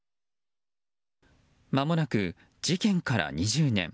まもなく事件から２０年。